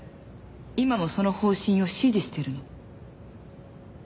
今もその方針を支持してるの。